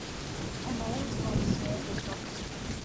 Her main sponsor is Roxy.